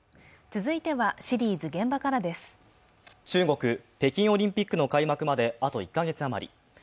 中国・北京オリンピックの開幕まで、あと１カ月余り。